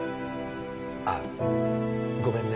あっごめんね。